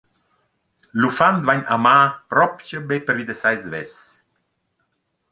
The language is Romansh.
L’uffant vain amà propcha be pervi da sai svess.